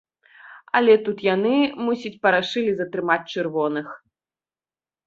Але тут яны, мусіць, парашылі затрымаць чырвоных.